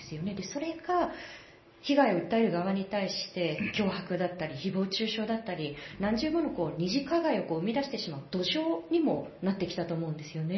それが被害を訴える側に対して脅迫だったり誹謗中傷だったり何重もの２次加害を生み出してしまう土壌にもなってしまったと思うんですよね。